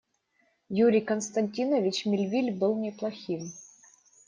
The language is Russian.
Юрий Константинович Мельвиль был неплохим.